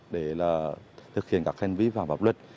để thực hiện các hành vi phạm pháp luật